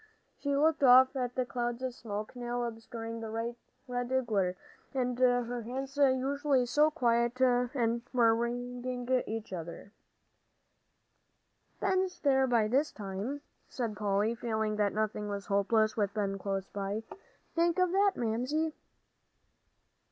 She looked off at the clouds of smoke now obscuring the red glare, and her hands usually so quiet were wringing each other. "Ben's there by this time," said Polly, feeling that nothing was hopeless with Ben close by. "Think of that, Mamsie."